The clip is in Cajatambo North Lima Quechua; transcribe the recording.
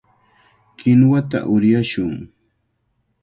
Kinuwata uryashun.